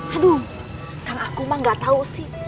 aduh kang aku mah gak tau sih